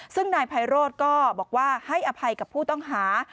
ซึ่งนายไพโรธก็บอกว่าให้อภัยกับผู้ต้องหา